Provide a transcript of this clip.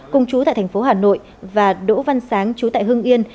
cùng chú tại tp hà nội và đỗ văn sáng chú tại hưng yên